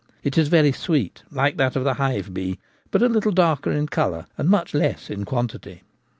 It is very sweet, like that of the hive bee, but a little darker in colour and much less in quantity.